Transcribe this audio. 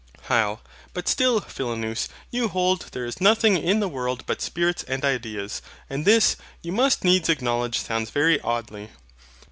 HYL. But still, Philonous, you hold, there is nothing in the world but spirits and ideas. And this, you must needs acknowledge, sounds very oddly.